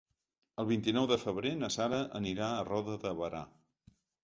El vint-i-nou de febrer na Sara anirà a Roda de Berà.